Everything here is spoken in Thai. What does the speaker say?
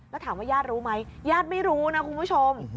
แล้วถามว่าญาติรู้ไหมญาติไม่รู้นะคุณผู้ชม